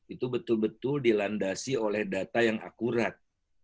itu betul betul dilandasi oleh data yang akurat